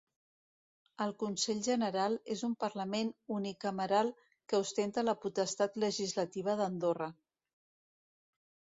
El Consell General és un parlament unicameral que ostenta la potestat legislativa d'Andorra.